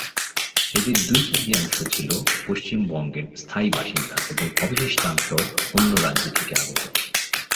এদের দুই-তৃতীয়াংশ ছিল পশ্চিমবঙ্গের স্থায়ী বাসিন্দা এবং অবশিষ্টাংশ অন্য রাজ্য থেকে আগত।